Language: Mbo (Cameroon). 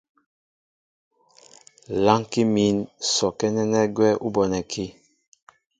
Lánkí mín sɔkɛ́ nɛ́nɛ́ gwɛ́ ú bonɛkí.